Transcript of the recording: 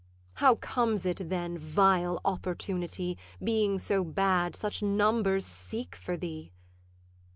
How comes it then, vile Opportunity, Being so bad, such numbers seek for thee?